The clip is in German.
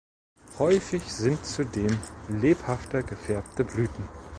Häufig sind zudem lebhafter gefärbte Blüten.